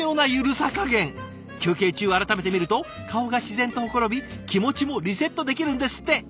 休憩中改めて見ると顔が自然とほころび気持ちもリセットできるんですって。